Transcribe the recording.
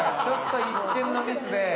ちょっと一瞬のミスで。